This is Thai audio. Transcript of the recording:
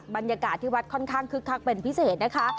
บรรยากาศที่วัดค่อนข้างคึกคักเป็นพิเศษนะคะ